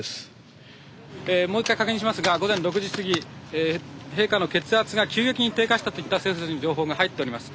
もう一回確認しますが午前６時すぎ陛下の血圧が急激に低下したといった政府筋の情報が入っております。